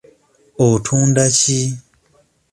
Otunda ki?